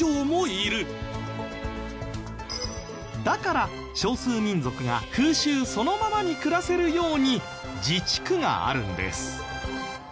だから少数民族が風習そのままに暮らせるように自治区があるんです。